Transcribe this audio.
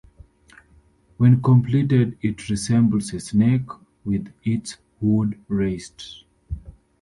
When completed it resembles a snake with its hood raised.